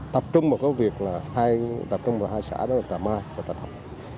tập trung vào cái việc là tập trung vào hai xã đó là trà mai và trà thập